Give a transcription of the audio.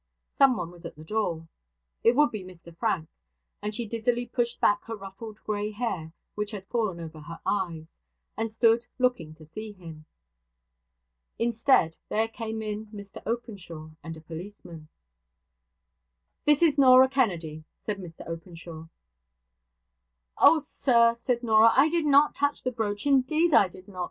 Someone was at the door. It would be Mr Frank; and she dizzily pushed back her ruffled grey hair which had fallen over her eyes, and stood looking to see him. Instead, there came in Mr Openshaw and a policeman. 'This is Norah Kennedy,' said Mr Openshaw. 'Oh, sir,' said Norah, 'I did not touch the brooch; indeed I did not.